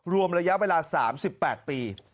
รวมระยะเวลา๓๘ปี